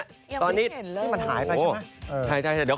ยังไม่เห็นเลยนะโอ้โฮมันหายไปใช่ไหมอือ